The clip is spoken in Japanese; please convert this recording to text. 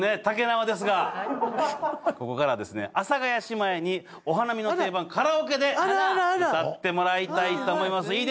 たけなわですがここからはですね阿佐ヶ谷姉妹にお花見の定番カラオケで歌ってもらいたいと思います。